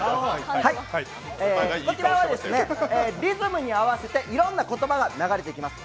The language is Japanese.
こちらは、リズムに合わせていろんな言葉が流れてきます。